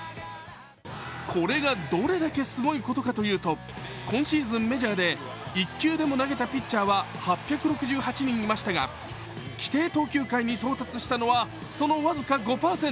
これがどれだけすごいことかというと、今シーズンメジャーで１球でも投げたピッチャーは８６８人いましたが規定投球回に到達したのは、その僅か５％。